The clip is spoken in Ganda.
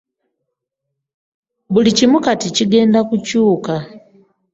Buli kimu kati kigenda kukyuka.